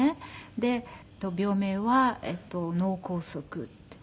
で病名は脳梗塞って。